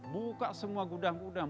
buka semua gudang gudang